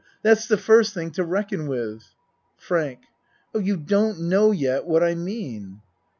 That's the first thing to reckon with. FRANK Oh, you don't know yet what I mean.